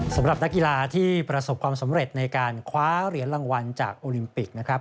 สำหรับนักกีฬาที่ประสบความสำเร็จในการคว้าเหรียญรางวัลจากโอลิมปิกนะครับ